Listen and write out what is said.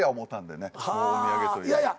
お土産といえば。